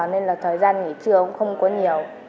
nên là thời gian nghỉ trưa cũng không có nhiều